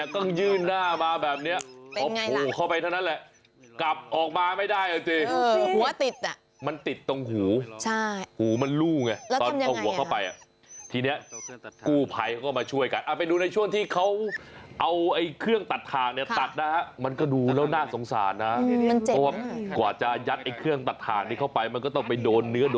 ขึ้นหน้ามาแบบเนี้ยเป็นไงล่ะเข้าไปเท่านั้นแหละกลับออกมาไม่ได้อ่ะจริงจริงเออหัวติดอ่ะมันติดตรงหูใช่หูมันรู้ไงแล้วทำยังไงเข้าไปอ่ะทีเนี้ยกู้ไพเขาก็มาช่วยกันอ่ะไปดูในช่วงที่เขาเอาไอเครื่องตัดทางเนี้ยตัดนะฮะมันก็ดูแล้วน่าสงสารนะอืมมันเจ็บมากกว่าจะยัดไอเครื่องตัดทางนี้เข้